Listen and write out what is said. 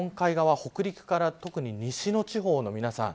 北陸から西の地方の皆さん。